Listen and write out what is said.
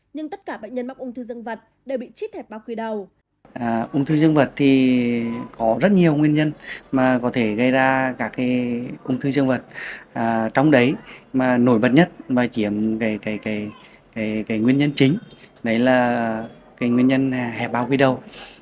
nhưng tất cả bệnh nhân mắc ung thư dân vật đều bị chít hẹp bao quy đau